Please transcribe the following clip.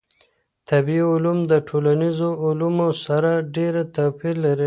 طبیعي علوم له ټولنیزو علومو سره ډېر توپیر لري.